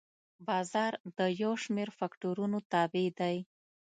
بازار د یو شمېر فکتورونو تابع دی.